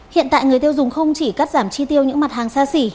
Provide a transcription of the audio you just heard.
hiện tại người tiêu dùng không chỉ cắt giảm chi tiêu những mặt hàng xa xỉ